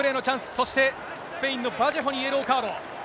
そしてスペインのバジェホにイエローカード。